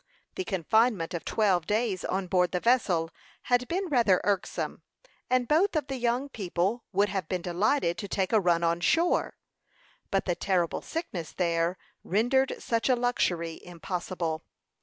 The confinement of twelve days on board the vessel had been rather irksome, and both of the young people would have been delighted to take a run on shore; but the terrible sickness there rendered such a luxury impossible.